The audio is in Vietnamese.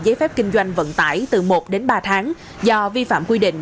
giấy phép kinh doanh vận tải từ một đến ba tháng do vi phạm quy định